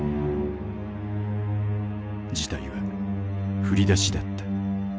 事態は振り出しだった。